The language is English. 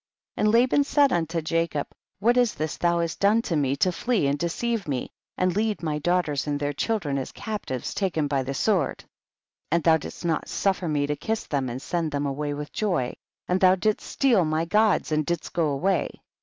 47. And Laban said unto Jacob, what is this thou hast done to me to flee and deceive* me, and lead my daughters and their children as cap tives taken by the sword ? 48. And thou didst not suffer me to kiss them and send them away with joy, and thou didst steal my gods and didst go away.